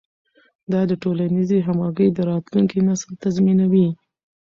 دا د ټولنیزې همغږۍ د راتلونکي نسل تضمینوي.